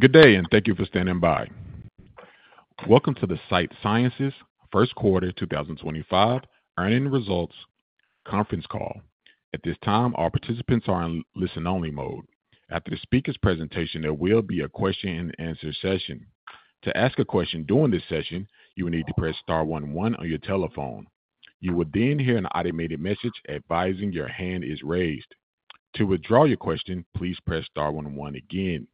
Good day, and thank you for standing by. Welcome to the Sight Sciences first quarter 2025 earning results conference call. At this time, all participants are in listen-only mode. After the speaker's presentation, there will be a question-and-answer session. To ask a question during this session, you will need to press star one one on your telephone. You will then hear an automated message advising your hand is raised. To withdraw your question, please press star one one again.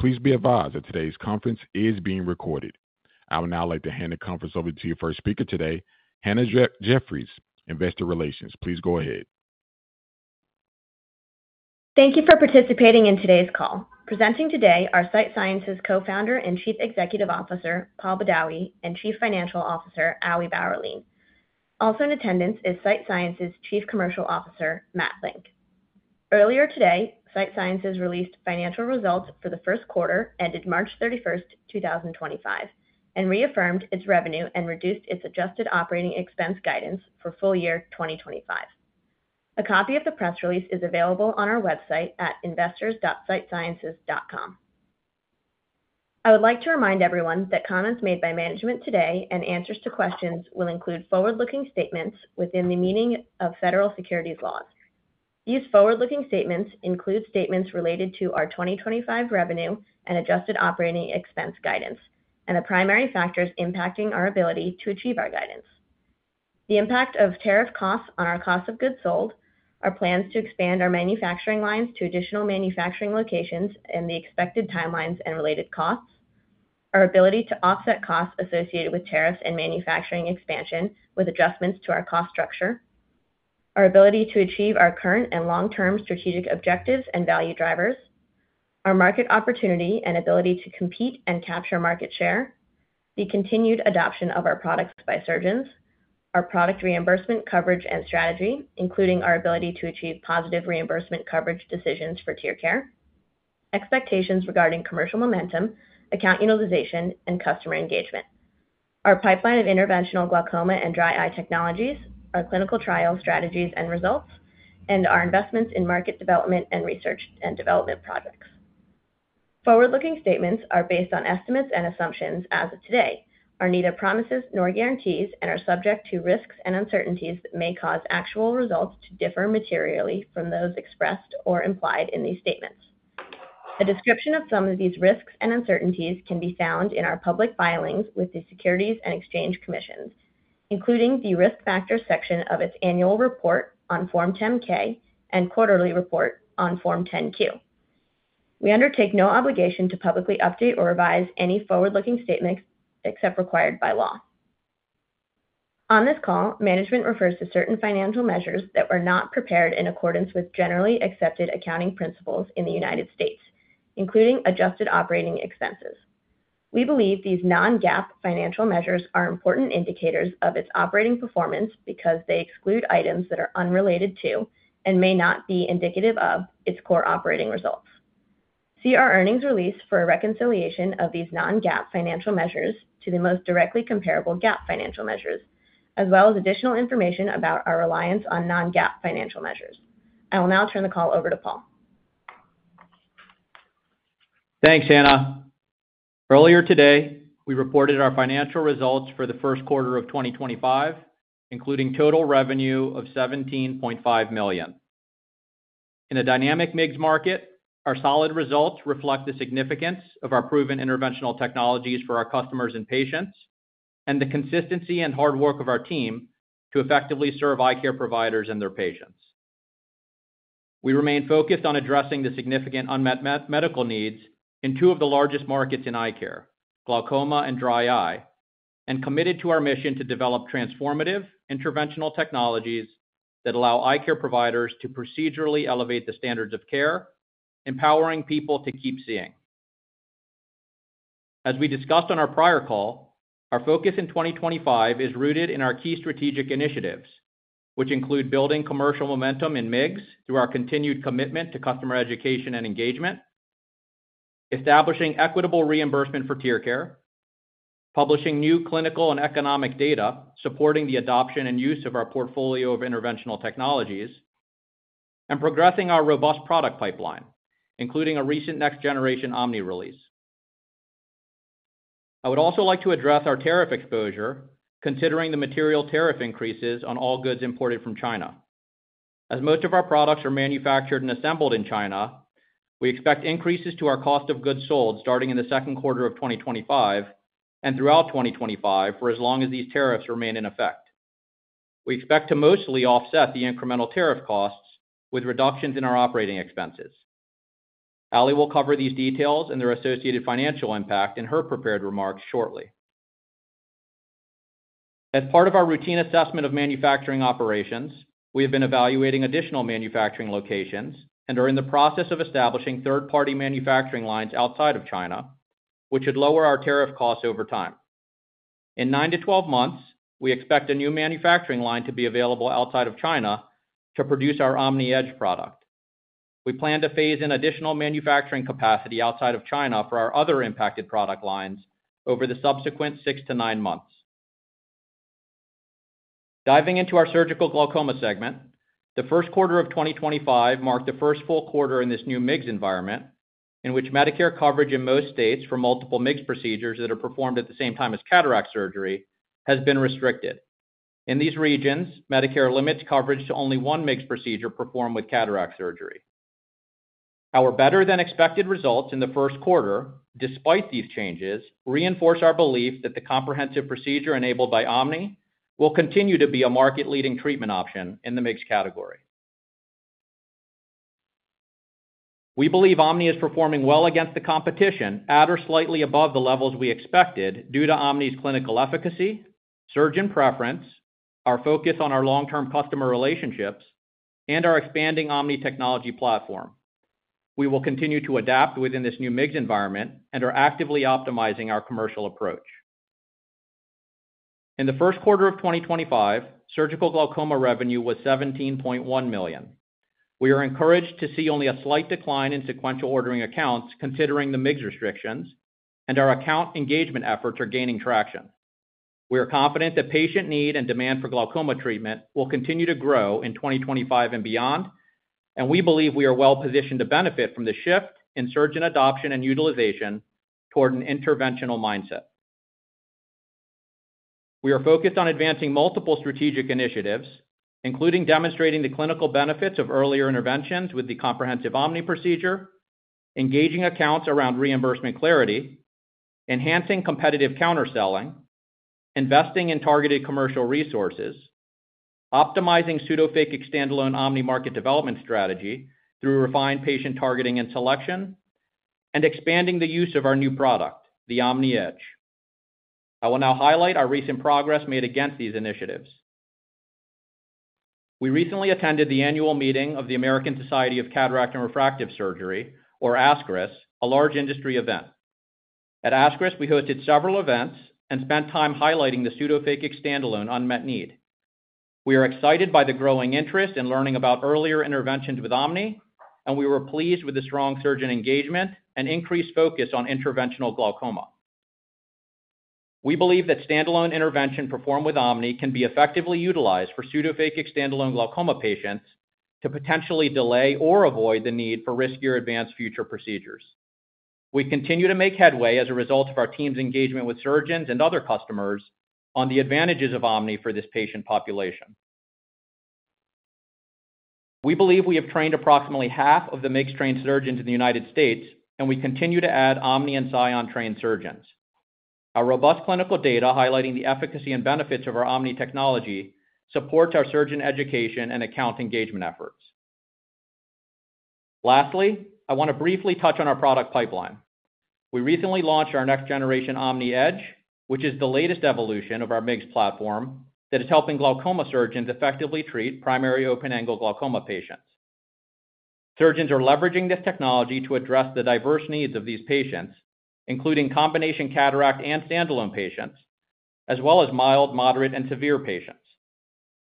Please be advised that today's conference is being recorded. I would now like to hand the conference over to your first speaker today, Hannah Jefferies, Investor Relations. Please go ahead. Thank you for participating in today's call. Presenting today are Sight Sciences Co-founder and Chief Executive Officer, Paul Badawi, and Chief Financial Officer, Ali Bauerlein. Also in attendance is Sight Sciences' Chief Commercial Officer, Matt Link. Earlier today, Sight Sciences released financial results for the first quarter ended March 31, 2025, and reaffirmed its revenue and reduced its Adjusted Operating Expense Guidance for full year 2025. A copy of the press release is available on our website at investors.sightsciences.com. I would like to remind everyone that comments made by management today and answers to questions will include forward-looking statements within the meaning of federal securities laws. These forward-looking statements include statements related to our 2025 revenue and Adjusted Operating Expense Guidance and the primary factors impacting our ability to achieve our guidance. The impact of tariff costs on our cost of goods sold, our plans to expand our manufacturing lines to additional manufacturing locations and the expected timelines and related costs, our ability to offset costs associated with tariffs and manufacturing expansion with adjustments to our cost structure, our ability to achieve our current and long-term strategic objectives and value drivers, our market opportunity and ability to compete and capture market share, the continued adoption of our products by surgeons, our product reimbursement coverage and strategy, including our ability to achieve positive reimbursement coverage decisions for TearCare, expectations regarding commercial momentum, account utilization, and customer engagement, our pipeline of interventional glaucoma and dry eye technologies, our clinical trial strategies and results, and our investments in market development and research and development projects. Forward-looking statements are based on estimates and assumptions as of today, are neither promises nor guarantees, and are subject to risks and uncertainties that may cause actual results to differ materially from those expressed or implied in these statements. A description of some of these risks and uncertainties can be found in our public filings with the Securities and Exchange Commission, including the Risk Factor section of its Annual Report on Form 10-K and Quarterly Report on Form 10-Q. We undertake no obligation to publicly update or revise any forward-looking statements except as required by law. On this call, management refers to certain financial measures that were not prepared in accordance with generally accepted accounting principles in the United States, including Adjusted Operating Expenses. We believe these non-GAAP financial measures are important indicators of its operating performance because they exclude items that are unrelated to and may not be indicative of its core operating results. See our earnings release for a reconciliation of these non-GAAP financial measures to the most directly comparable GAAP financial measures, as well as additional information about our reliance on non-GAAP financial measures. I will now turn the call over to Paul. Thanks, Hannah. Earlier today, we reported our financial results for the first quarter of 2025, including total revenue of $17.5 million. In a dynamic MIGS market, our solid results reflect the significance of our proven interventional technologies for our customers and patients and the consistency and hard work of our team to effectively serve eye care providers and their patients. We remain focused on addressing the significant unmet medical needs in two of the largest markets in eye care, glaucoma and dry eye, and committed to our mission to develop transformative interventional technologies that allow eye care providers to procedurally elevate the standards of care, empowering people to keep seeing. As we discussed on our prior call, our focus in 2025 is rooted in our key strategic initiatives, which include building commercial momentum in MIGS through our continued commitment to customer education and engagement, establishing equitable reimbursement for TearCare, publishing new clinical and economic data supporting the adoption and use of our portfolio of interventional technologies, and progressing our robust product pipeline, including a recent next-generation Omni release. I would also like to address our tariff exposure, considering the material tariff increases on all goods imported from China. As most of our products are manufactured and assembled in China, we expect increases to our cost of goods sold starting in the second quarter of 2025 and throughout 2025 for as long as these tariffs remain in effect. We expect to mostly offset the incremental tariff costs with reductions in our operating expenses. Ali will cover these details and their associated financial impact in her prepared remarks shortly. As part of our routine assessment of manufacturing operations, we have been evaluating additional manufacturing locations and are in the process of establishing third-party manufacturing lines outside of China, which would lower our tariff costs over time. In nine to twelve months, we expect a new manufacturing line to be available outside of China to produce our Omni-Edge product. We plan to phase in additional manufacturing capacity outside of China for our other impacted product lines over the subsequent six to nine months. Diving into our surgical glaucoma segment, the first quarter of 2025 marked the first full quarter in this new MIGS environment, in which Medicare coverage in most states for multiple MIGS procedures that are performed at the same time as cataract surgery has been restricted. In these regions, Medicare limits coverage to only one MIGS procedure performed with cataract surgery. Our better-than-expected results in the first quarter, despite these changes, reinforce our belief that the comprehensive procedure enabled by Omni will continue to be a market-leading treatment option in the MIGS category. We believe Omni is performing well against the competition at or slightly above the levels we expected due to Omni's clinical efficacy, surgeon preference, our focus on our long-term customer relationships, and our expanding Omni technology platform. We will continue to adapt within this new MIGS environment and are actively optimizing our commercial approach. In the first quarter of 2025, surgical glaucoma revenue was $17.1 million. We are encouraged to see only a slight decline in sequential ordering accounts considering the MIGS restrictions, and our account engagement efforts are gaining traction. We are confident that patient need and demand for glaucoma treatment will continue to grow in 2025 and beyond, and we believe we are well-positioned to benefit from the shift in surgeon adoption and utilization toward an interventional mindset. We are focused on advancing multiple strategic initiatives, including demonstrating the clinical benefits of earlier interventions with the comprehensive Omni procedure, engaging accounts around reimbursement clarity, enhancing competitive counterselling, investing in targeted commercial resources, optimizing pseudophakic standalone Omni market development strategy through refined patient targeting and selection, and expanding the use of our new product, the Omni-Edge. I will now highlight our recent progress made against these initiatives. We recently attended the annual meeting of the American Society of Cataract and Refractive Surgery, or ASCRS, a large industry event. At ASCRS, we hosted several events and spent time highlighting the pseudophakic standalone unmet need. We are excited by the growing interest in learning about earlier interventions with Omni, and we were pleased with the strong surgeon engagement and increased focus on interventional glaucoma. We believe that standalone intervention performed with Omni can be effectively utilized for pseudophakic standalone glaucoma patients to potentially delay or avoid the need for riskier advanced future procedures. We continue to make headway as a result of our team's engagement with surgeons and other customers on the advantages of Omni for this patient population. We believe we have trained approximately half of the MIGS-trained surgeons in the United States, and we continue to add Omni and Scion-trained surgeons. Our robust clinical data highlighting the efficacy and benefits of our Omni technology supports our surgeon education and account engagement efforts. Lastly, I want to briefly touch on our product pipeline. We recently launched our next-generation Omni-Edge, which is the latest evolution of our MIGS platform that is helping glaucoma surgeons effectively treat primary open-angle glaucoma patients. Surgeons are leveraging this technology to address the diverse needs of these patients, including combination cataract and standalone patients, as well as mild, moderate, and severe patients.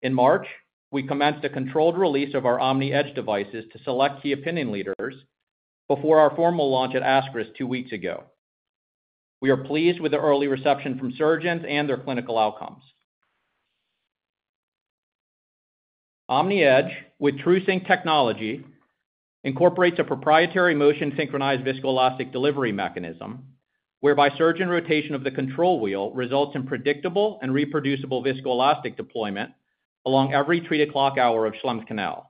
In March, we commenced a controlled release of our Omni-Edge devices to select key opinion leaders before our formal launch at ASCRS two weeks ago. We are pleased with the early reception from surgeons and their clinical outcomes. Omni-Edge, with TruSync technology, incorporates a proprietary motion-synchronized viscoelastic delivery mechanism whereby surgeon rotation of the control wheel results in predictable and reproducible viscoelastic deployment along every treated clock hour of Schlemm's canal.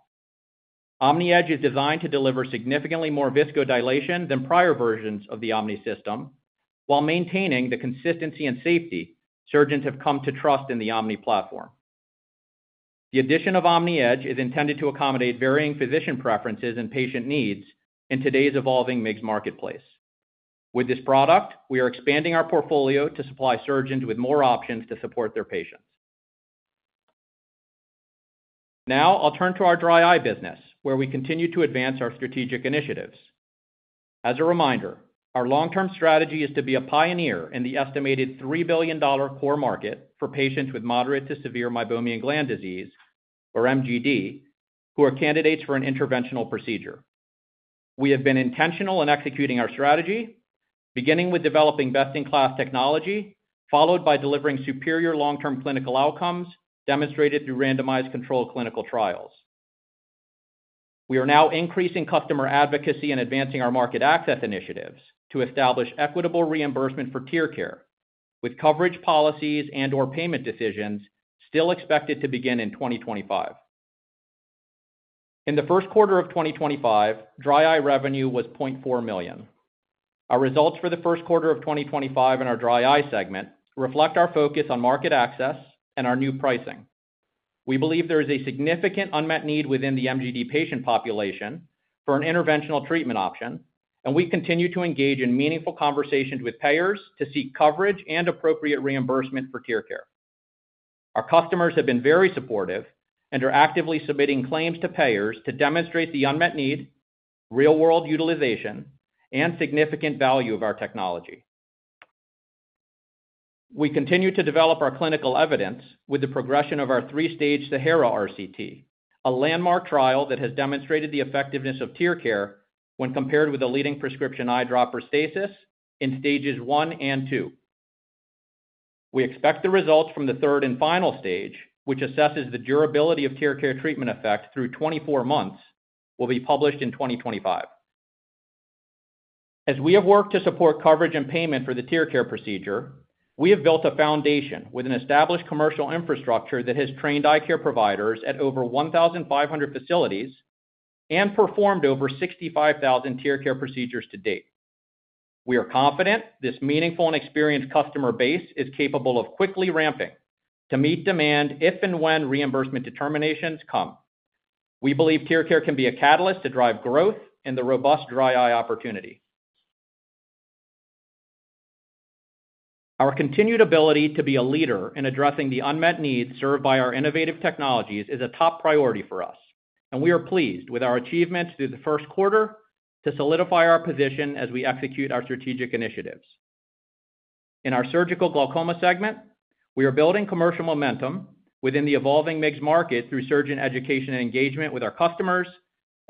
Omni-Edge is designed to deliver significantly more visco dilation than prior versions of the Omni system, while maintaining the consistency and safety surgeons have come to trust in the Omni platform. The addition of Omni-Edge is intended to accommodate varying physician preferences and patient needs in today's evolving MIGS marketplace. With this product, we are expanding our portfolio to supply surgeons with more options to support their patients. Now, I'll turn to our dry eye business, where we continue to advance our strategic initiatives. As a reminder, our long-term strategy is to be a pioneer in the estimated $3 billion core market for patients with moderate to severe meibomian gland disease, or MGD, who are candidates for an interventional procedure. We have been intentional in executing our strategy, beginning with developing best-in-class technology, followed by delivering superior long-term clinical outcomes demonstrated through randomized controlled clinical trials. We are now increasing customer advocacy and advancing our market access initiatives to establish equitable reimbursement for TearCare, with coverage policies and/or payment decisions still expected to begin in 2025. In the first quarter of 2025, dry eye revenue was $0.4 million. Our results for the first quarter of 2025 in our dry eye segment reflect our focus on market access and our new pricing. We believe there is a significant unmet need within the MGD patient population for an interventional treatment option, and we continue to engage in meaningful conversations with payers to seek coverage and appropriate reimbursement for TearCare. Our customers have been very supportive and are actively submitting claims to payers to demonstrate the unmet need, real-world utilization, and significant value of our technology. We continue to develop our clinical evidence with the progression of our three-stage SAHARA RCT, a landmark trial that has demonstrated the effectiveness of TearCare when compared with a leading prescription eyedrop, Systane, in stages one and two. We expect the results from the third and final stage, which assesses the durability of TearCare treatment effect through 24 months, will be published in 2025. As we have worked to support coverage and payment for the TearCare procedure, we have built a foundation with an established commercial infrastructure that has trained eye care providers at over 1,500 facilities and performed over 65,000 TearCare procedures to date. We are confident this meaningful and experienced customer base is capable of quickly ramping to meet demand if and when reimbursement determinations come. We believe TearCare can be a catalyst to drive growth in the robust dry eye opportunity. Our continued ability to be a leader in addressing the unmet needs served by our innovative technologies is a top priority for us, and we are pleased with our achievements through the first quarter to solidify our position as we execute our strategic initiatives. In our surgical glaucoma segment, we are building commercial momentum within the evolving MIGS market through surgeon education and engagement with our customers,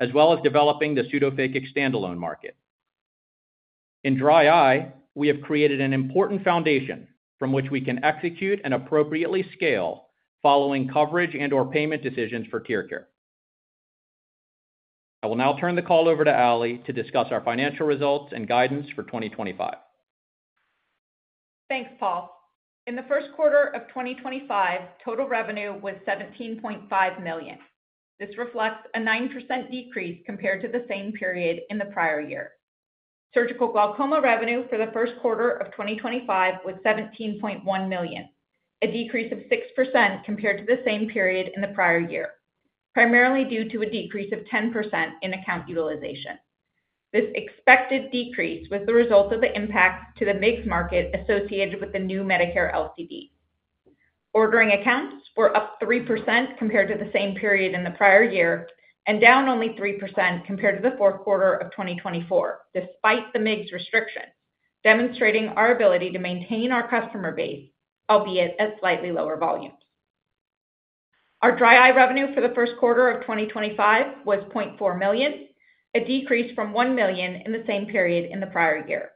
as well as developing the pseudophakic standalone market. In dry eye, we have created an important foundation from which we can execute and appropriately scale following coverage and/or payment decisions for TearCare. I will now turn the call over to Ali to discuss our financial results and guidance for 2025. Thanks, Paul. In the first quarter of 2025, total revenue was $17.5 million. This reflects a 9% decrease compared to the same period in the prior year. Surgical glaucoma revenue for the first quarter of 2025 was $17.1 million, a decrease of 6% compared to the same period in the prior year, primarily due to a decrease of 10% in account utilization. This expected decrease was the result of the impact to the MIGS market associated with the new Medicare LCD. Ordering accounts were up 3% compared to the same period in the prior year and down only 3% compared to the fourth quarter of 2024, despite the MIGS restrictions, demonstrating our ability to maintain our customer base, albeit at slightly lower volumes. Our dry eye revenue for the first quarter of 2025 was $0.4 million, a decrease from $1 million in the same period in the prior year.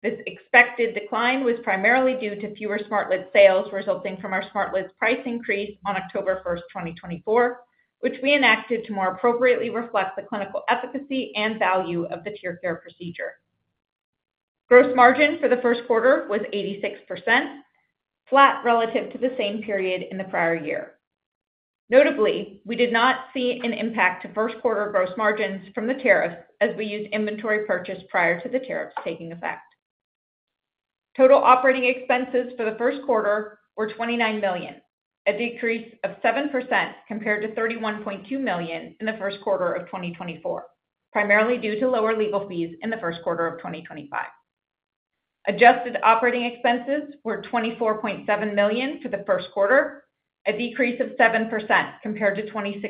This expected decline was primarily due to fewer SmartLids sales resulting from our SmartLids price increase on October 1, 2024, which we enacted to more appropriately reflect the clinical efficacy and value of the TearCare procedure. Gross margin for the first quarter was 86%, flat relative to the same period in the prior year. Notably, we did not see an impact to first quarter gross margins from the tariffs as we used inventory purchased prior to the tariffs taking effect. Total operating expenses for the first quarter were $29 million, a decrease of 7% compared to $31.2 million in the first quarter of 2024, primarily due to lower legal fees in the first quarter of 2025. Adjusted operating expenses were $24.7 million for the first quarter, a decrease of 7% compared to $26.6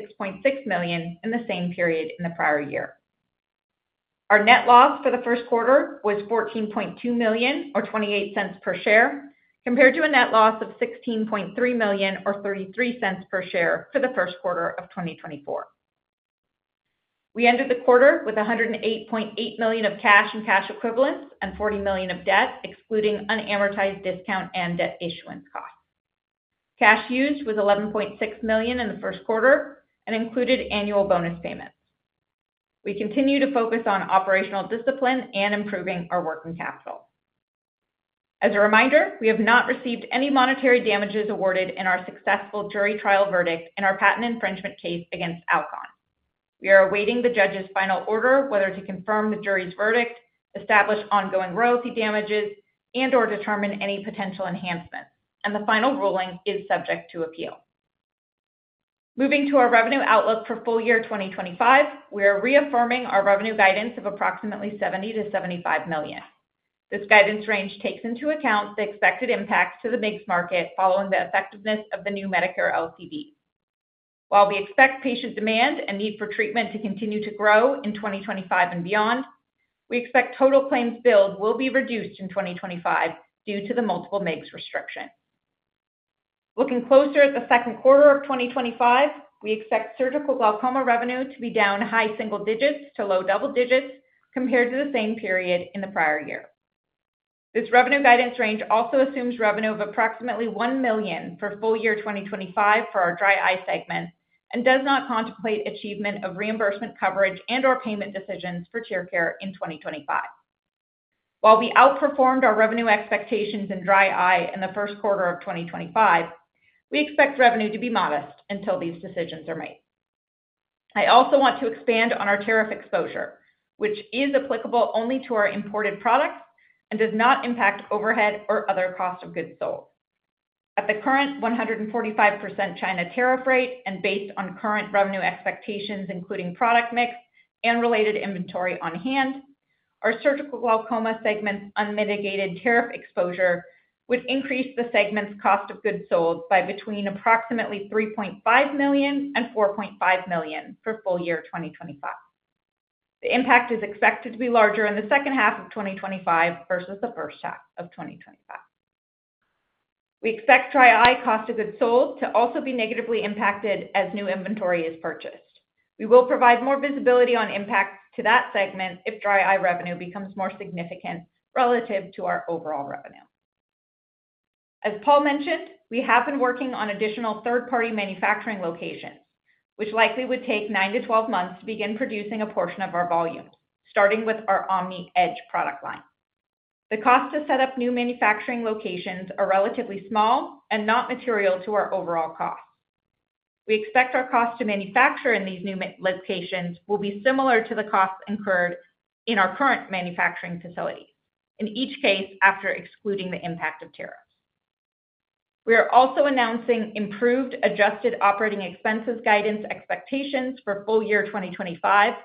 million in the same period in the prior year. Our net loss for the first quarter was $14.2 million, or $0.28 per share, compared to a net loss of $16.3 million, or $0.33 per share for the first quarter of 2024. We ended the quarter with $108.8 million of cash and cash equivalents and $40 million of debt, excluding unamortized discount and debt issuance costs. Cash used was $11.6 million in the first quarter and included annual bonus payments. We continue to focus on operational discipline and improving our working capital. As a reminder, we have not received any monetary damages awarded in our successful jury trial verdict in our patent infringement case against Alcon. We are awaiting the judge's final order, whether to confirm the jury's verdict, establish ongoing royalty damages, and/or determine any potential enhancements, and the final ruling is subject to appeal. Moving to our revenue outlook for full year 2025, we are reaffirming our revenue guidance of approximately $70-$75 million. This guidance range takes into account the expected impacts to the MIGS market following the effectiveness of the new Medicare LCD. While we expect patient demand and need for treatment to continue to grow in 2025 and beyond, we expect total claims billed will be reduced in 2025 due to the multiple MIGS restrictions. Looking closer at the second quarter of 2025, we expect surgical glaucoma revenue to be down high single digits to low double digits compared to the same period in the prior year. This revenue guidance range also assumes revenue of approximately $1 million for full year 2025 for our dry eye segment and does not contemplate achievement of reimbursement coverage and/or payment decisions for TearCare in 2025. While we outperformed our revenue expectations in dry eye in the first quarter of 2025, we expect revenue to be modest until these decisions are made. I also want to expand on our tariff exposure, which is applicable only to our imported products and does not impact overhead or other cost of goods sold. At the current 145% China tariff rate and based on current revenue expectations, including product mix and related inventory on hand, our surgical glaucoma segment's unmitigated tariff exposure would increase the segment's cost of goods sold by between approximately $3.5 million and $4.5 million for full year 2025. The impact is expected to be larger in the second half of 2025 versus the first half of 2025. We expect dry eye cost of goods sold to also be negatively impacted as new inventory is purchased. We will provide more visibility on impacts to that segment if dry eye revenue becomes more significant relative to our overall revenue. As Paul mentioned, we have been working on additional third-party manufacturing locations, which likely would take nine to twelve months to begin producing a portion of our volumes, starting with our Omni-Edge product line. The cost to set up new manufacturing locations is relatively small and not material to our overall costs. We expect our cost to manufacture in these new locations will be similar to the costs incurred in our current manufacturing facilities, in each case after excluding the impact of tariffs. We are also announcing improved adjusted operating expenses guidance expectations for full year 2025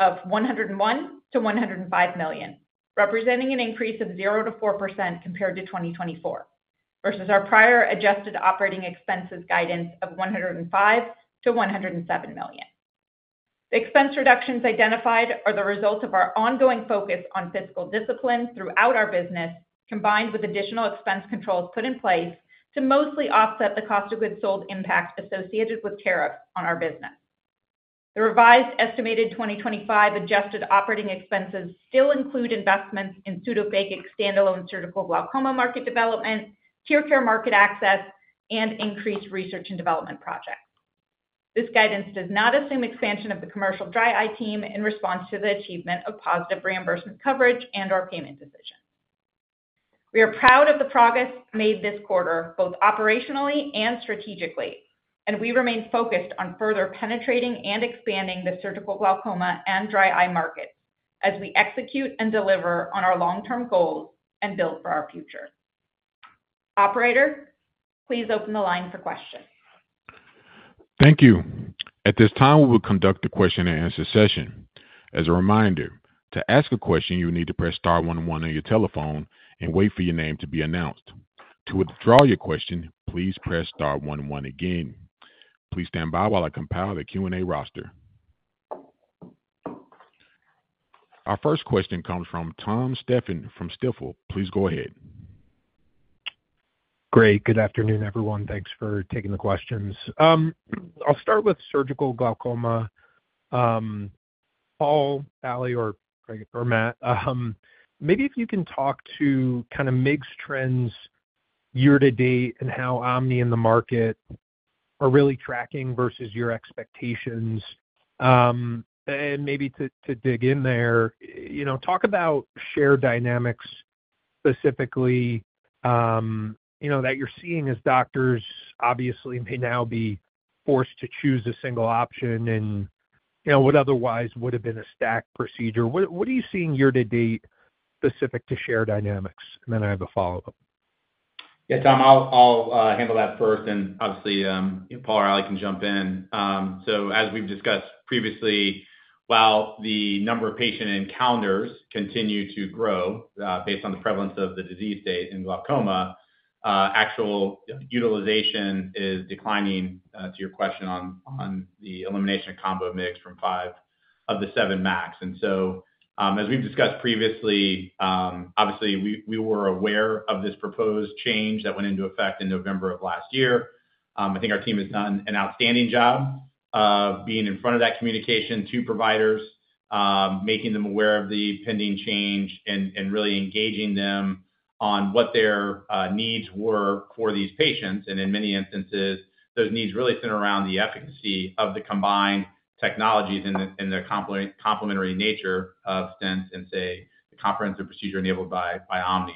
of $101 million-$105 million, representing an increase of 0%-4% compared to 2024, versus our prior adjusted operating expenses guidance of $105 million-$107 million. The expense reductions identified are the result of our ongoing focus on fiscal discipline throughout our business, combined with additional expense controls put in place to mostly offset the cost of goods sold impact associated with tariffs on our business. The revised estimated 2025 adjusted operating expenses still include investments in pseudophakic standalone surgical glaucoma market development, TearCare market access, and increased research and development projects. This guidance does not assume expansion of the commercial dry eye team in response to the achievement of positive reimbursement coverage and/or payment decisions. We are proud of the progress made this quarter both operationally and strategically, and we remain focused on further penetrating and expanding the surgical glaucoma and dry eye markets as we execute and deliver on our long-term goals and build for our future. Operator, please open the line for questions. Thank you. At this time, we will conduct the question-and-answer session. As a reminder, to ask a question, you will need to press star one one on your telephone and wait for your name to be announced. To withdraw your question, please press star one one again. Please stand by while I compile the Q&A roster. Our first question comes from Tom Stephan from Stifel. Please go ahead. Great. Good afternoon, everyone. Thanks for taking the questions. I'll start with surgical glaucoma. Paul, Ali, or Matt, maybe if you can talk to kind of MIGS trends year to date and how Omni and the market are really tracking versus your expectations. Maybe to dig in there, talk about shared dynamics specifically that you're seeing as doctors obviously may now be forced to choose a single option in what otherwise would have been a stacked procedure. What are you seeing year to date specific to shared dynamics? I have a follow-up. Yeah, Tom, I'll handle that first. Obviously, Paul or Ali can jump in. As we've discussed previously, while the number of patient encounters continue to grow based on the prevalence of the disease state in glaucoma, actual utilization is declining to your question on the elimination of combo MIGS from five of the seven MACs. As we've discussed previously, we were aware of this proposed change that went into effect in November of last year. I think our team has done an outstanding job of being in front of that communication to providers, making them aware of the pending change, and really engaging them on what their needs were for these patients. In many instances, those needs really center around the efficacy of the combined technologies and the complementary nature of Stents and, say, the comprehensive procedure enabled by Omni.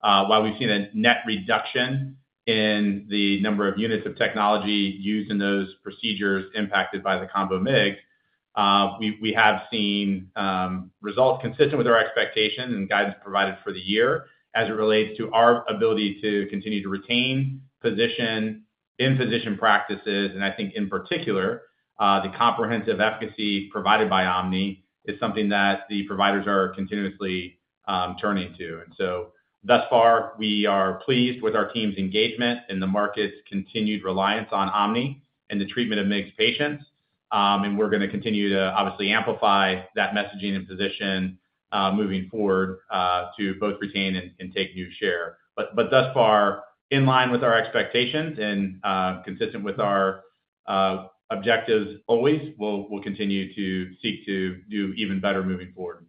While we've seen a net reduction in the number of units of technology used in those procedures impacted by the combo MIG, we have seen results consistent with our expectations and guidance provided for the year as it relates to our ability to continue to retain position in physician practices. I think, in particular, the comprehensive efficacy provided by Omni is something that the providers are continuously turning to. Thus far, we are pleased with our team's engagement and the market's continued reliance on Omni and the treatment of MIGS patients. We're going to continue to obviously amplify that messaging and position moving forward to both retain and take new share. Thus far, in line with our expectations and consistent with our objectives always, we'll continue to seek to do even better moving forward.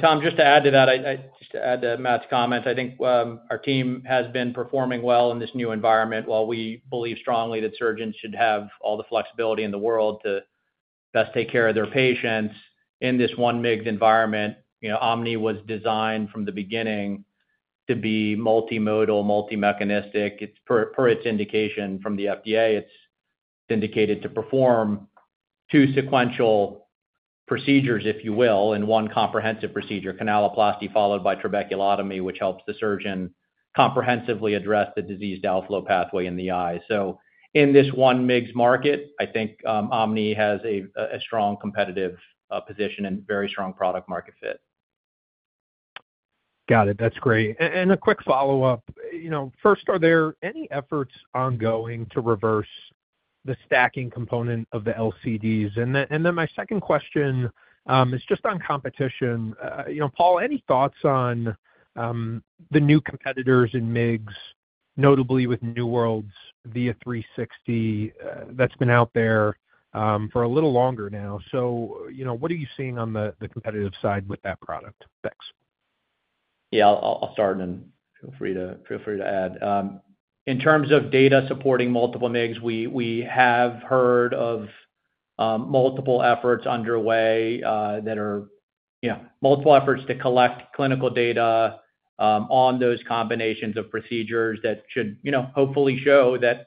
Tom, just to add to that, just to add to Matt's comments, I think our team has been performing well in this new environment while we believe strongly that surgeons should have all the flexibility in the world to best take care of their patients. In this one MIGS environment, Omni was designed from the beginning to be multimodal, multi-mechanistic. It's, per its indication from the FDA, it's indicated to perform two sequential procedures, if you will, in one comprehensive procedure, canaloplasty followed by trabeculotomy, which helps the surgeon comprehensively address the disease downflow pathway in the eye. In this one MIGS market, I think Omni has a strong competitive position and very strong product-market fit. Got it. That's great. A quick follow-up. First, are there any efforts ongoing to reverse the stacking component of the LCDs? My second question is just on competition. Paul, any thoughts on the new competitors in MIGS, notably with New World Medical's Via360 that's been out there for a little longer now? What are you seeing on the competitive side with that product? Thanks. Yeah, I'll start and feel free to add. In terms of data supporting multiple MIGS, we have heard of multiple efforts underway that are multiple efforts to collect clinical data on those combinations of procedures that should hopefully show that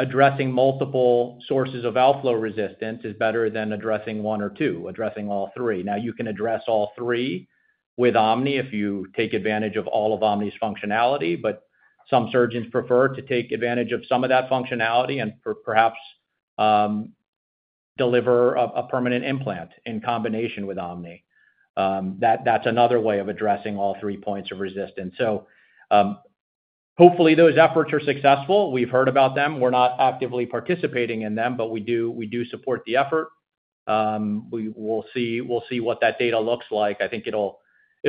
addressing multiple sources of outflow resistance is better than addressing one or two, addressing all three. Now, you can address all three with Omni if you take advantage of all of Omni's functionality, but some surgeons prefer to take advantage of some of that functionality and perhaps deliver a permanent implant in combination with Omni. That's another way of addressing all three points of resistance. Hopefully, those efforts are successful. We've heard about them. We're not actively participating in them, but we do support the effort. We'll see what that data looks like. I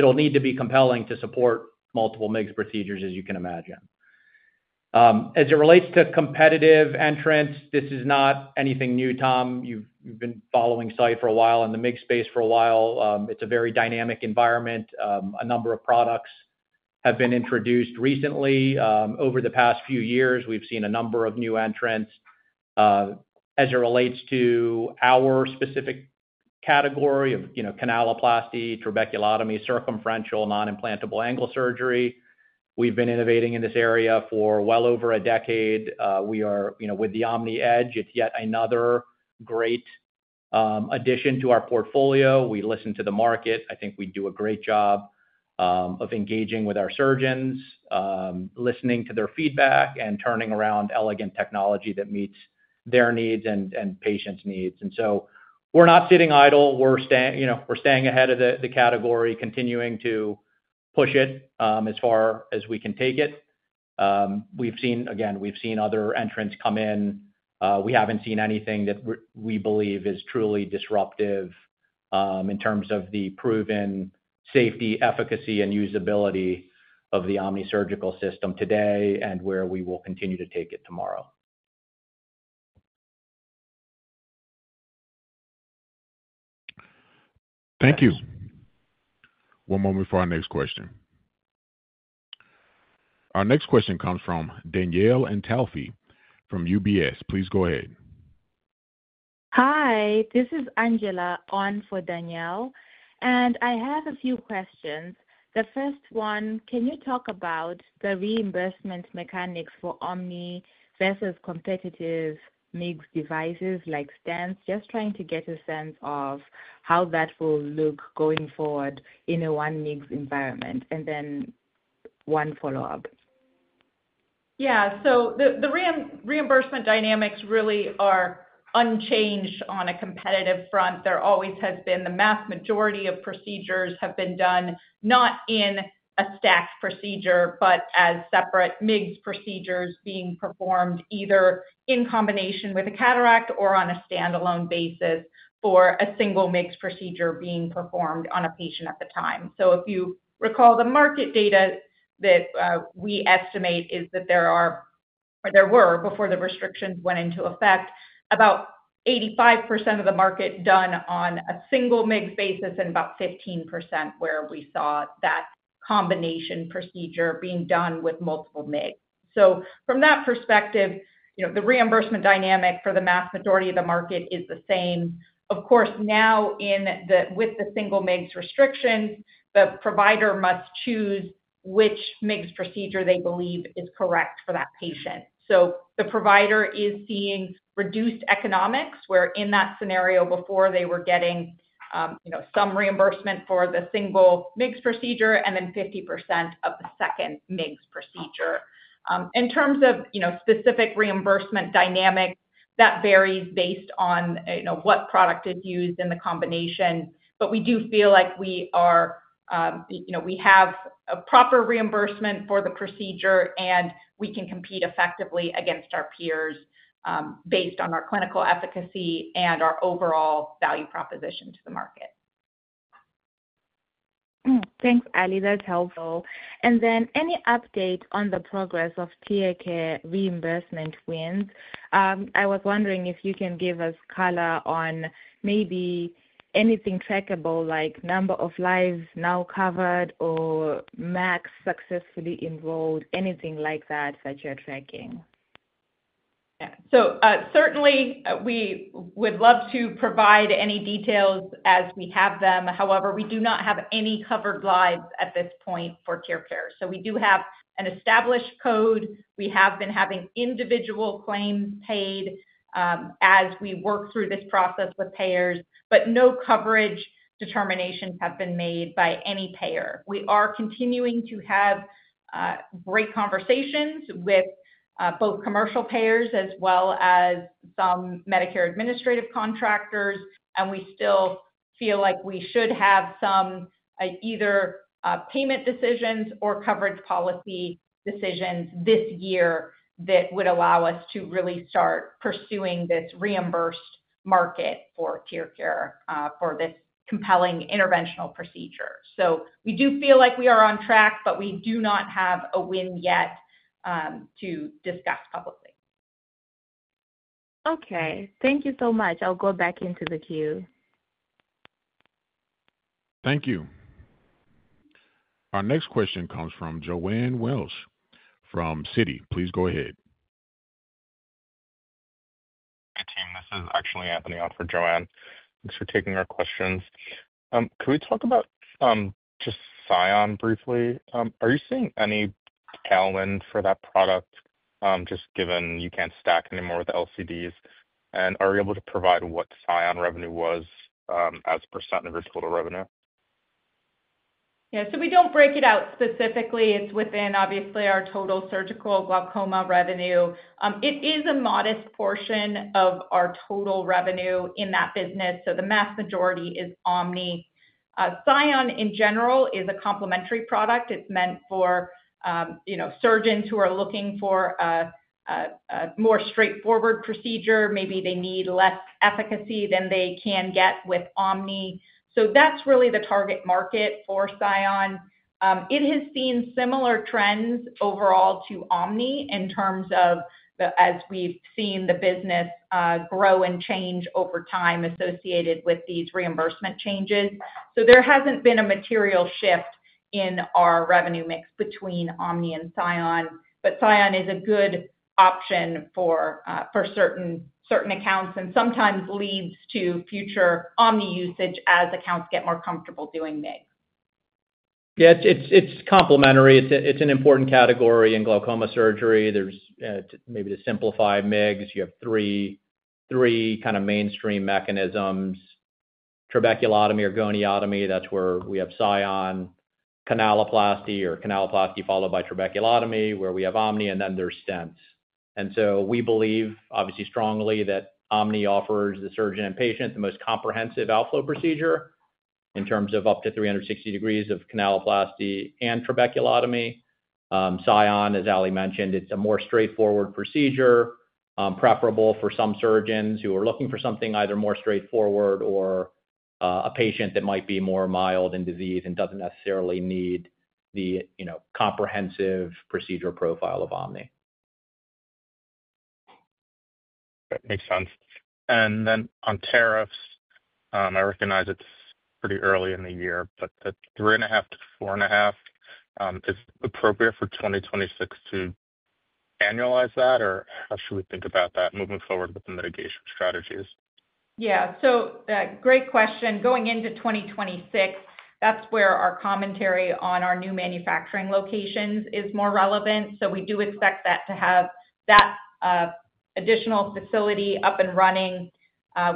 think it'll need to be compelling to support multiple MIGS procedures, as you can imagine. As it relates to competitive entrants, this is not anything new, Tom. You've been following Sight Sciences for a while and the MIGS space for a while. It's a very dynamic environment. A number of products have been introduced recently. Over the past few years, we've seen a number of new entrants as it relates to our specific category of canaloplasty, trabeculotomy, circumferential non-implantable angle surgery. We've been innovating in this area for well over a decade. We are with the Omni-Edge. It's yet another great addition to our portfolio. We listen to the market. I think we do a great job of engaging with our surgeons, listening to their feedback, and turning around elegant technology that meets their needs and patients' needs. We are not sitting idle. We're staying ahead of the category, continuing to push it as far as we can take it. Again, we've seen other entrants come in. We haven't seen anything that we believe is truly disruptive in terms of the proven safety, efficacy, and usability of the Omni surgical system today and where we will continue to take it tomorrow. Thank you. One moment for our next question. Our next question comes from Danielle Antalffy from UBS. Please go ahead. Hi. This is Angela, on for Danielle. I have a few questions. The first one, can you talk about the reimbursement mechanics for Omni versus competitive MIGS devices like stents? Just trying to get a sense of how that will look going forward in a one MIGS environment. I have one follow-up. Yeah. So the reimbursement dynamics really are unchanged on a competitive front. There always has been the mass majority of procedures have been done not in a stacked procedure, but as separate MIGS procedures being performed either in combination with a cataract or on a standalone basis for a single MIGS procedure being performed on a patient at the time. If you recall, the market data that we estimate is that there were, before the restrictions went into effect, about 85% of the market done on a single MIGS basis and about 15% where we saw that combination procedure being done with multiple MIGS. From that perspective, the reimbursement dynamic for the mass majority of the market is the same. Of course, now with the single MIGS restrictions, the provider must choose which MIGS procedure they believe is correct for that patient. The provider is seeing reduced economics where in that scenario before, they were getting some reimbursement for the single MIGS procedure and then 50% of the second MIGS procedure. In terms of specific reimbursement dynamics, that varies based on what product is used in the combination. We do feel like we have a proper reimbursement for the procedure, and we can compete effectively against our peers based on our clinical efficacy and our overall value proposition to the market. Thanks, Ali. That's helpful. Any update on the progress of TearCare reimbursement wins? I was wondering if you can give us color on maybe anything trackable like number of lives now covered or MACs successfully enrolled, anything like that that you're tracking. Yeah. Certainly, we would love to provide any details as we have them. However, we do not have any covered lives at this point for TearCare. We do have an established code. We have been having individual claims paid as we work through this process with payers, but no coverage determinations have been made by any payer. We are continuing to have great conversations with both commercial payers as well as some Medicare administrative contractors. We still feel like we should have some either payment decisions or coverage policy decisions this year that would allow us to really start pursuing this reimbursed market for TearCare for this compelling interventional procedure. We do feel like we are on track, but we do not have a win yet to discuss publicly. Okay. Thank you so much. I'll go back into the queue. Thank you. Our next question comes from Joanne Wuensch from Citi. Please go ahead. Hey, team. This is actually Anthony out for Joanne. Thanks for taking our questions. Can we talk about just Scion briefly? Are you seeing any tailwind for that product just given you can't stack anymore with LCDs? And are you able to provide what Scion revenue was as a percent of your total revenue? Yeah. So we don't break it out specifically. It's within, obviously, our total surgical glaucoma revenue. It is a modest portion of our total revenue in that business. The mass majority is Omni. Scion, in general, is a complementary product. It's meant for surgeons who are looking for a more straightforward procedure. Maybe they need less efficacy than they can get with Omni. That's really the target market for Scion. It has seen similar trends overall to Omni in terms of, as we've seen, the business grow and change over time associated with these reimbursement changes. There hasn't been a material shift in our revenue mix between Omni and Scion. Scion is a good option for certain accounts and sometimes leads to future Omni usage as accounts get more comfortable doing MIGS. Yeah. It's complementary. It's an important category in glaucoma surgery. Maybe to simplify MIGS, you have three kind of mainstream mechanisms: trabeculotomy or goniotomy. That's where we have Scion, canaloplasty or canaloplasty followed by trabeculotomy where we have Omni, and then there's Stents. We believe, obviously, strongly that Omni offers the surgeon and patient the most comprehensive outflow procedure in terms of up to 360 degrees of canaloplasty and trabeculotomy. Scion, as Ali mentioned, it's a more straightforward procedure, preferable for some surgeons who are looking for something either more straightforward or a patient that might be more mild in disease and doesn't necessarily need the comprehensive procedure profile of Omni. That makes sense. On tariffs, I recognize it's pretty early in the year, but the three and a half to four and a half, is it appropriate for 2026 to annualize that, or how should we think about that moving forward with the mitigation strategies? Yeah. Great question. Going into 2026, that's where our commentary on our new manufacturing locations is more relevant. We do expect to have that additional facility up and running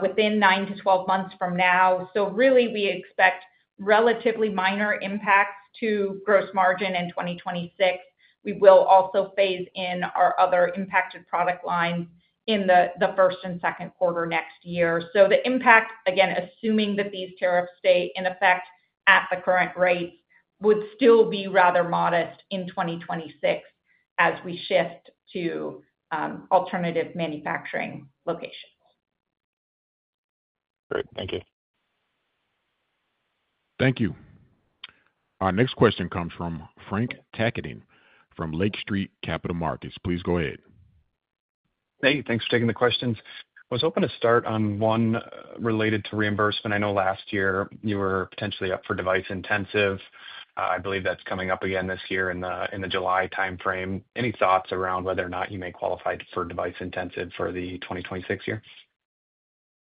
within 9-12 months from now. We expect relatively minor impacts to gross margin in 2026. We will also phase in our other impacted product lines in the first and second quarter next year. The impact, again, assuming that these tariffs stay in effect at the current rates, would still be rather modest in 2026 as we shift to alternative manufacturing locations. Great. Thank you. Thank you. Our next question comes from Frank Takkinen from Lake Street Capital Markets. Please go ahead. Hey. Thanks for taking the questions. I was hoping to start on one related to reimbursement. I know last year you were potentially up for device-intensive. I believe that's coming up again this year in the July timeframe. Any thoughts around whether or not you may qualify for device-intensive for the 2026 year?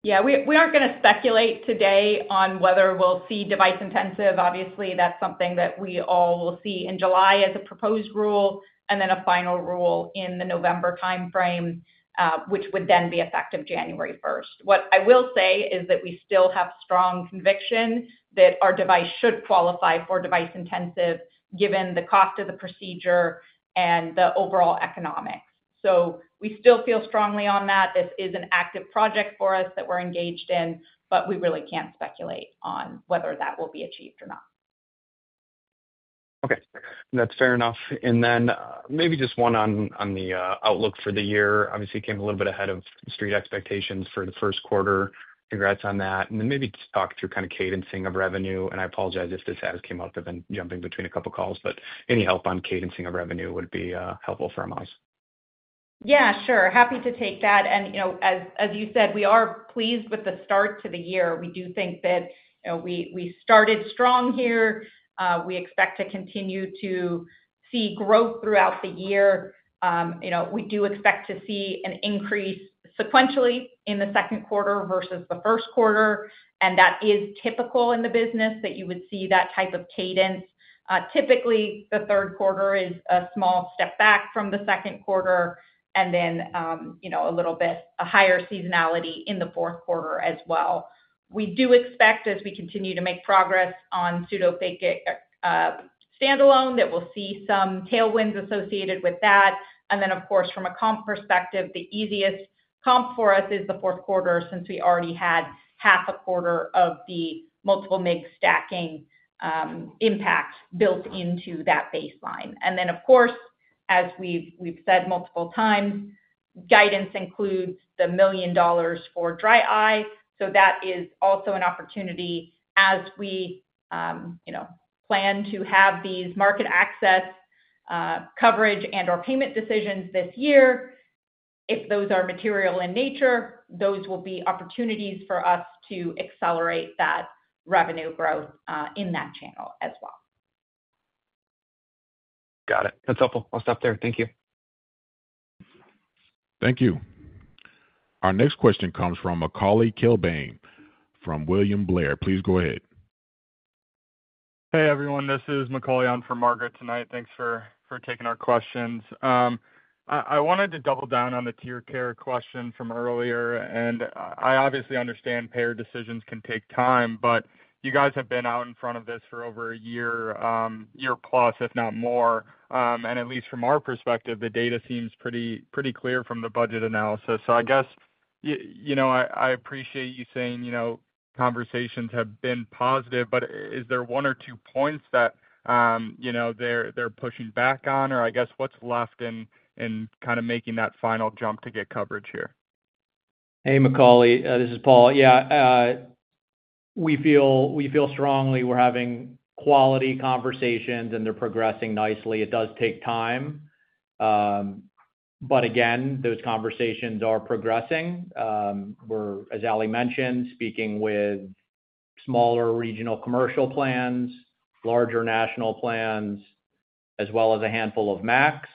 Yeah. We aren't going to speculate today on whether we'll see device-intensive. Obviously, that's something that we all will see in July as a proposed rule and then a final rule in the November timeframe, which would then be effective January 1. What I will say is that we still have strong conviction that our device should qualify for device-intensive given the cost of the procedure and the overall economics. So we still feel strongly on that. This is an active project for us that we're engaged in, but we really can't speculate on whether that will be achieved or not. Okay. That's fair enough. Maybe just one on the outlook for the year. Obviously, it came a little bit ahead of the street expectations for the first quarter. Congrats on that. Maybe talk through kind of cadencing of revenue. I apologize if this has come up. I've been jumping between a couple of calls. Any help on cadencing of revenue would be helpful from us. Yeah. Sure. Happy to take that. As you said, we are pleased with the start to the year. We do think that we started strong here. We expect to continue to see growth throughout the year. We do expect to see an increase sequentially in the second quarter versus the first quarter. That is typical in the business that you would see that type of cadence. Typically, the third quarter is a small step back from the second quarter and then a little bit higher seasonality in the fourth quarter as well. We do expect, as we continue to make progress on pseudophakic standalone, that we'll see some tailwinds associated with that. Of course, from a comp perspective, the easiest comp for us is the fourth quarter since we already had half a quarter of the multiple MIGS stacking impact built into that baseline. Of course, as we've said multiple times, guidance includes the $1 million for dry eye. That is also an opportunity as we plan to have these market access coverage and/or payment decisions this year. If those are material in nature, those will be opportunities for us to accelerate that revenue growth in that channel as well. Got it. That's helpful. I'll stop there. Thank you. Thank you. Our next question comes from Macauley Kilbane from William Blair. Please go ahead. Hey, everyone. This is Macauley on for Margaret tonight. Thanks for taking our questions. I wanted to double down on the TearCare question from earlier. I obviously understand payer decisions can take time, but you guys have been out in front of this for over a year, year plus, if not more. At least from our perspective, the data seems pretty clear from the budget analysis. I guess I appreciate you saying conversations have been positive, but is there one or two points that they're pushing back on? I guess what's left in kind of making that final jump to get coverage here? Hey, Macauley. This is Paul. Yeah. We feel strongly we're having quality conversations, and they're progressing nicely. It does take time. Again, those conversations are progressing. We're, as Ali mentioned, speaking with smaller regional commercial plans, larger national plans, as well as a handful of MACs.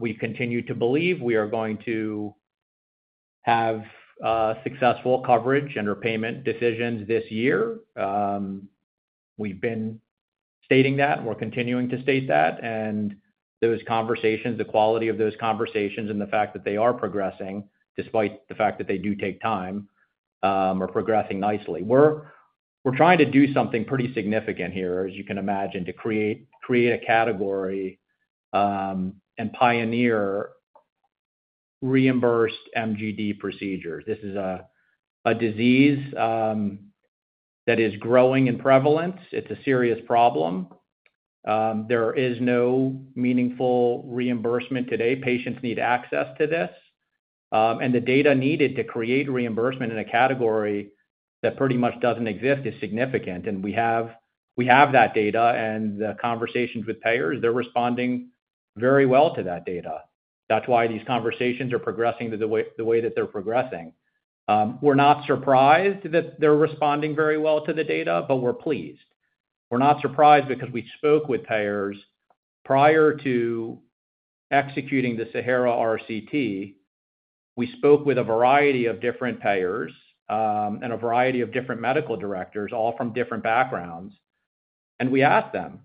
We continue to believe we are going to have successful coverage and/or payment decisions this year. We've been stating that, and we're continuing to state that. Those conversations, the quality of those conversations and the fact that they are progressing despite the fact that they do take time, are progressing nicely. We're trying to do something pretty significant here, as you can imagine, to create a category and pioneer reimbursed MGD procedures. This is a disease that is growing in prevalence. It's a serious problem. There is no meaningful reimbursement today. Patients need access to this. The data needed to create reimbursement in a category that pretty much does not exist is significant. We have that data. The conversations with payers, they are responding very well to that data. That is why these conversations are progressing the way that they are progressing. We are not surprised that they are responding very well to the data, but we are pleased. We are not surprised because we spoke with payers prior to executing the SAHARA RCT. We spoke with a variety of different payers and a variety of different medical directors, all from different backgrounds. We asked them.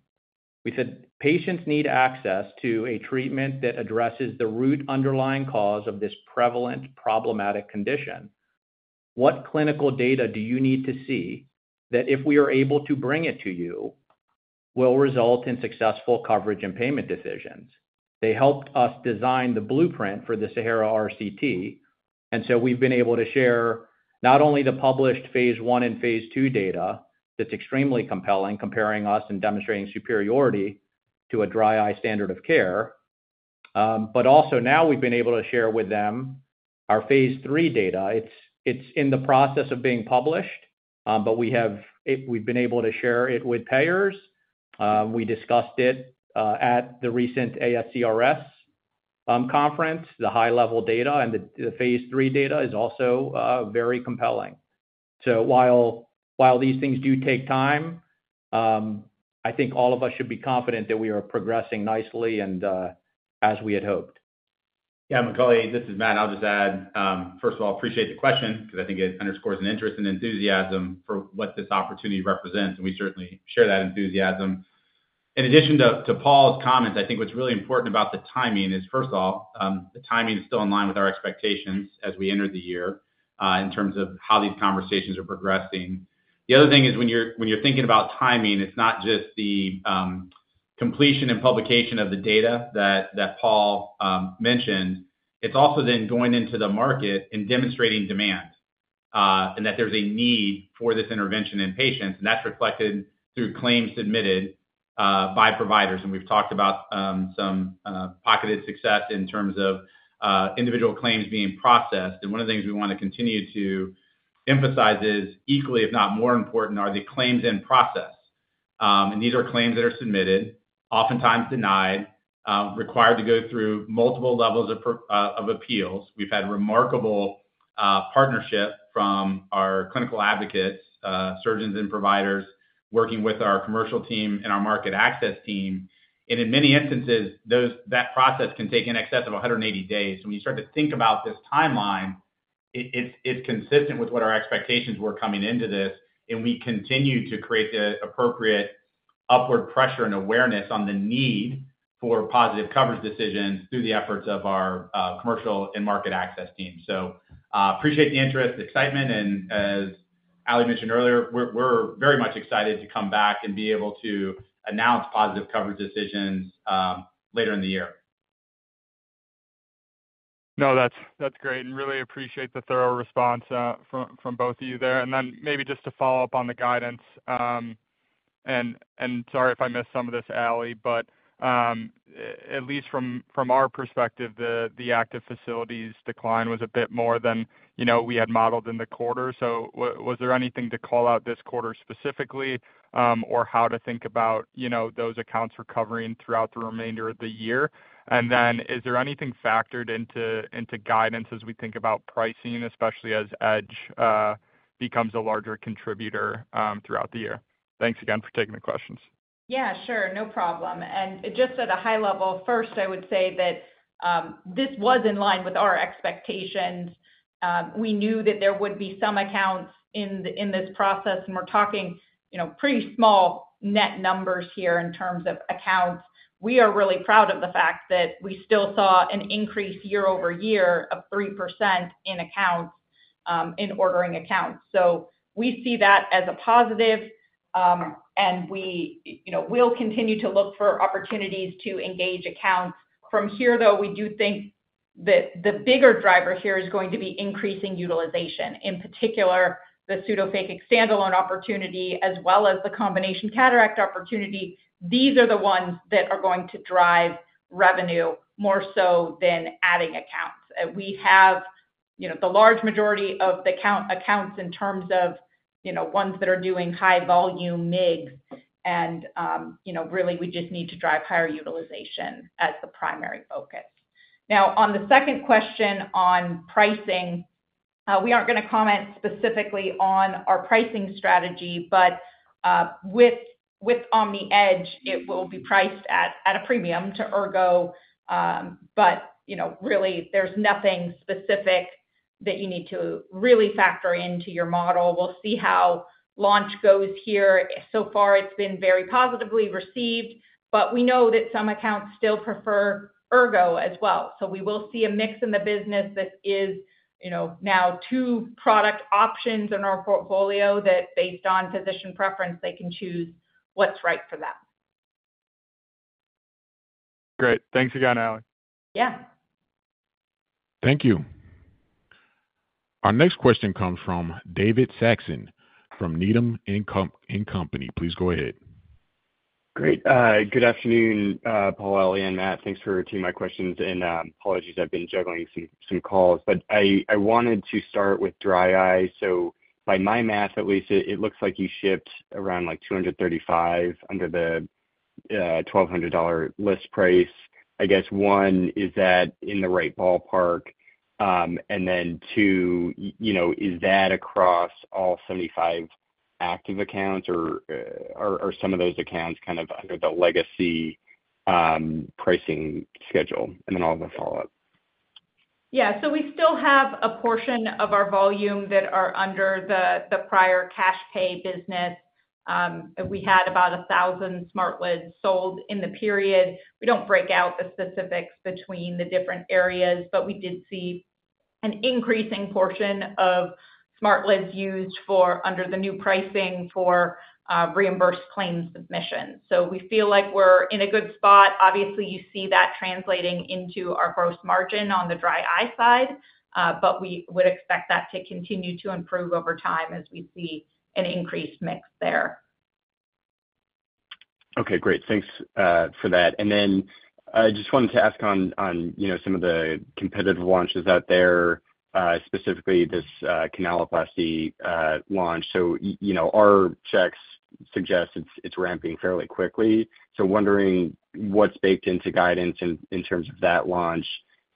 We said, "Patients need access to a treatment that addresses the root underlying cause of this prevalent problematic condition. What clinical data do you need to see that, if we are able to bring it to you, will result in successful coverage and payment decisions? They helped us design the blueprint for the SAHARA RCT. We have been able to share not only the published phase one and phase two data that is extremely compelling, comparing us and demonstrating superiority to a dry eye standard of care, but also now we have been able to share with them our phase three data. It is in the process of being published, but we have been able to share it with payers. We discussed it at the recent ASCRS conference. The high-level data and the phase three data is also very compelling. While these things do take time, I think all of us should be confident that we are progressing nicely and as we had hoped. Yeah. Macauley, this is Matt. I'll just add, first of all, appreciate the question because I think it underscores an interest and enthusiasm for what this opportunity represents. We certainly share that enthusiasm. In addition to Paul's comments, I think what's really important about the timing is, first of all, the timing is still in line with our expectations as we enter the year in terms of how these conversations are progressing. The other thing is when you're thinking about timing, it's not just the completion and publication of the data that Paul mentioned. It's also then going into the market and demonstrating demand and that there's a need for this intervention in patients. That's reflected through claims submitted by providers. We've talked about some pocketed success in terms of individual claims being processed. One of the things we want to continue to emphasize is equally, if not more important, are the claims in process. These are claims that are submitted, oftentimes denied, required to go through multiple levels of appeals. We've had remarkable partnership from our clinical advocates, surgeons and providers working with our commercial team and our market access team. In many instances, that process can take in excess of 180 days. When you start to think about this timeline, it's consistent with what our expectations were coming into this. We continue to create the appropriate upward pressure and awareness on the need for positive coverage decisions through the efforts of our commercial and market access team. Appreciate the interest, the excitement. As Ali mentioned earlier, we're very much excited to come back and be able to announce positive coverage decisions later in the year. No, that's great. I really appreciate the thorough response from both of you there. Maybe just to follow up on the guidance. Sorry if I missed some of this, Ali, but at least from our perspective, the active facilities decline was a bit more than we had modeled in the quarter. Was there anything to call out this quarter specifically or how to think about those accounts recovering throughout the remainder of the year? Is there anything factored into guidance as we think about pricing, especially as Edge becomes a larger contributor throughout the year? Thanks again for taking the questions. Yeah. Sure. No problem. Just at a high level, first, I would say that this was in line with our expectations. We knew that there would be some accounts in this process. We are talking pretty small net numbers here in terms of accounts. We are really proud of the fact that we still saw an increase year-over-year of 3% in ordering accounts. We see that as a positive. We will continue to look for opportunities to engage accounts. From here, though, we do think that the bigger driver here is going to be increasing utilization, in particular, the pseudophakic standalone opportunity as well as the combination cataract opportunity. These are the ones that are going to drive revenue more so than adding accounts. We have the large majority of the accounts in terms of ones that are doing high-volume MIGS. We just need to drive higher utilization as the primary focus. On the second question on pricing, we aren't going to comment specifically on our pricing strategy, but with Omni-Edge, it will be priced at a premium to Ergo. There is nothing specific that you need to factor into your model. We'll see how launch goes here. So far, it's been very positively received. We know that some accounts still prefer Ergo as well. We will see a mix in the business that is now two product options in our portfolio that, based on physician preference, they can choose what's right for them. Great. Thanks again, Ali. Yeah. Thank you. Our next question comes from David Saxon from Needham & Company. Please go ahead. Great. Good afternoon, Paul, Ali, and Matt. Thanks for taking my questions. Apologies, I've been juggling some calls. I wanted to start with dry eye. By my math, at least, it looks like you shipped around 235 under the $1,200 list price. I guess one, is that in the right ballpark? Two, is that across all 75 active accounts, or are some of those accounts kind of under the legacy pricing schedule? I'll follow up. Yeah. So we still have a portion of our volume that are under the prior cash pay business. We had about 1,000 SmartLids sold in the period. We don't break out the specifics between the different areas, but we did see an increasing portion of SmartLids used under the new pricing for reimbursed claims submissions. We feel like we're in a good spot. Obviously, you see that translating into our gross margin on the dry eye side, but we would expect that to continue to improve over time as we see an increased mix there. Okay. Great. Thanks for that. I just wanted to ask on some of the competitive launches out there, specifically this canaloplasty launch. Our checks suggest it's ramping fairly quickly. Wondering what's baked into guidance in terms of that launch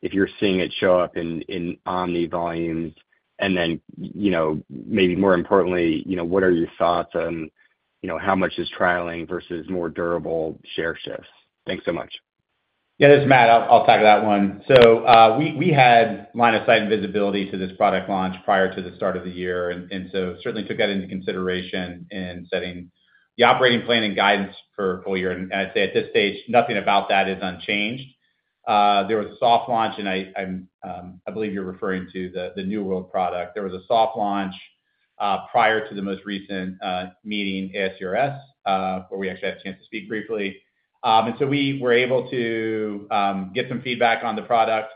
if you're seeing it show up in Omni volumes. Maybe more importantly, what are your thoughts on how much is trialing versus more durable share shifts? Thanks so much. Yeah. This is Matt. I'll tag that one. We had line of sight and visibility to this product launch prior to the start of the year. We certainly took that into consideration in setting the operating plan and guidance for full year. I'd say at this stage, nothing about that is unchanged. There was a soft launch, and I believe you're referring to the New World Medical product. There was a soft launch prior to the most recent meeting, ASCRS, where we actually had a chance to speak briefly. We were able to get some feedback on the product.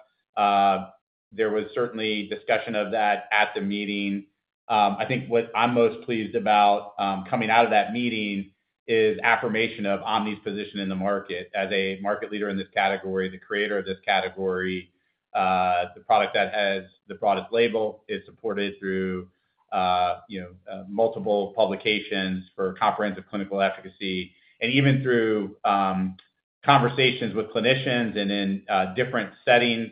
There was certainly discussion of that at the meeting. I think what I'm most pleased about coming out of that meeting is affirmation of Omni's position in the market as a market leader in this category, the creator of this category, the product that has the broadest label. It's supported through multiple publications for comprehensive clinical efficacy. Even through conversations with clinicians and in different settings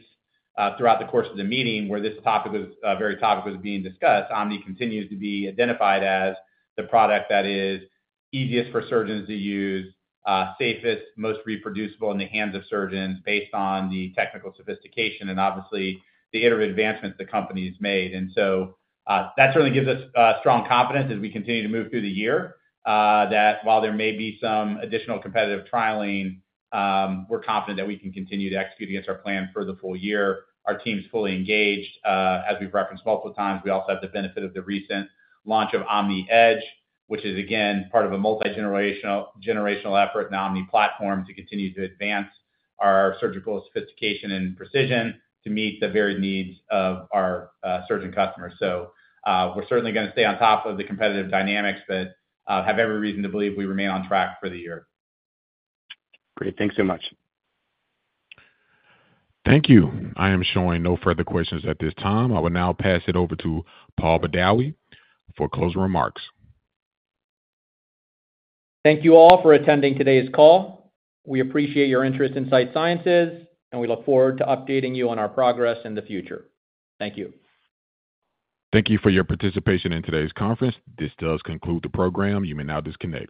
throughout the course of the meeting where this topic was very topically being discussed, Omni continues to be identified as the product that is easiest for surgeons to use, safest, most reproducible in the hands of surgeons based on the technical sophistication and obviously the iterative advancements the company has made. That certainly gives us strong confidence as we continue to move through the year that while there may be some additional competitive trialing, we're confident that we can continue to execute against our plan for the full year. Our team's fully engaged. As we've referenced multiple times, we also have the benefit of the recent launch of Omni-Edge, which is, again, part of a multi-generational effort, an Omni platform to continue to advance our surgical sophistication and precision to meet the varied needs of our surgeon customers. We are certainly going to stay on top of the competitive dynamics, but have every reason to believe we remain on track for the year. Great. Thanks so much. Thank you. I am showing no further questions at this time. I will now pass it over to Paul Badawi for closing remarks. Thank you all for attending today's call. We appreciate your interest in Sight Sciences, and we look forward to updating you on our progress in the future. Thank you. Thank you for your participation in today's conference. This does conclude the program. You may now disconnect.